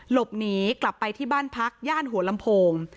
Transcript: หลบหนีกลับไปที่บ้านพักย่านหัวลำโพง